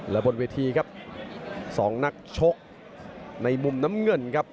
และบนเวทีครับสองนักชกในมุมน้ำเงินครับ